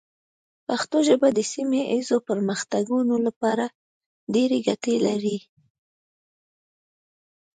پښتو ژبه د سیمه ایزو پرمختګونو لپاره ډېرې ګټې لري.